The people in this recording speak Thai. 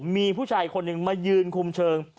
มีผู้ชายคนหนึ่งมายืนคุมเชิง